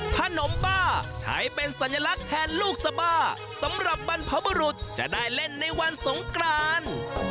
ขนมบ้าใช้เป็นสัญลักษณ์แทนลูกสบาสำหรับบรรพบุรุษจะได้เล่นในวันสงกราน